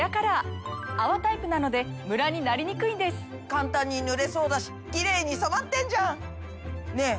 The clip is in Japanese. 簡単に塗れそうだしキレイに染まってんじゃん！ねぇ